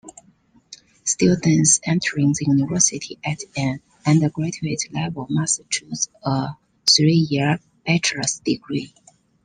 Students entering the University at an undergraduate level must choose a three-year bachelor's degree.